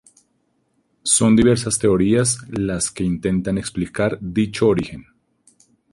Son diversas las teorías que intentan explicar dicho origen.